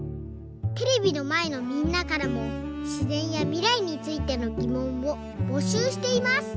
テレビのまえのみんなからもしぜんやみらいについてのぎもんをぼしゅうしています！